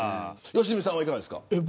良純さんは、いかがですか。